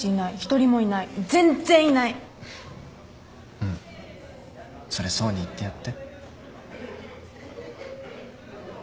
うんそれ想に言ってやって。